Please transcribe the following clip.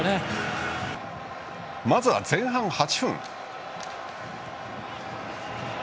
まずは前半８分。